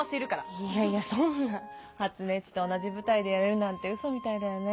いやいやそんな。はつねっちと同じ舞台でやれるなんてウソみたいだよね